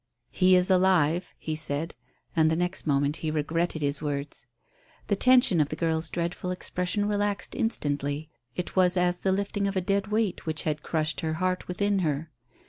"He is alive," he said. And the next moment he regretted his words. The tension of the girl's dreadful expression relaxed instantly. It was as the lifting of a dead weight which had crushed her heart within her.